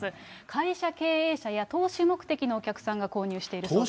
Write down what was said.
会社経営者や、投資目的のお客さんが購入しているそうです。